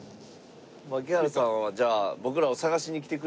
槙原さんはじゃあ僕らを探しに来てくれるんかな？